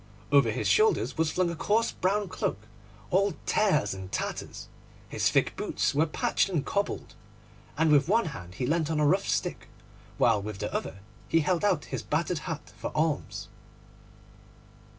Over his shoulders was flung a coarse brown cloak, all tears and tatters; his thick boots were patched and cobbled, and with one hand he leant on a rough stick, while with the other he held out his battered hat for alms.